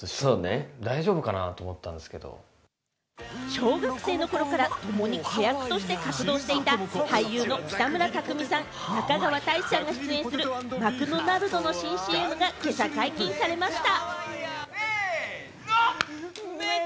小学生の頃から共に子役として活動していた俳優の北村匠海さん、中川大志さんが出演する、マクドナルドの新ＣＭが今朝解禁されました。